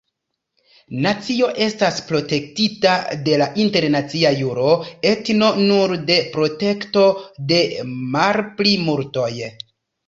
Nacio estas protektita de la internacia juro, etno nur de protekto de malplimultoj.